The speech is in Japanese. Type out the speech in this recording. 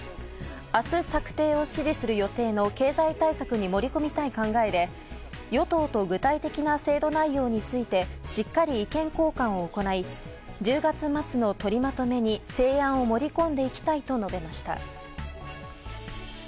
明日、策定を指示する予定の経済対策に盛り込みたい考えで与党と具体的な制度内容についてしっかり意見交換を行い１０月末の取りまとめに成案を盛り込んでいきたいと述べました。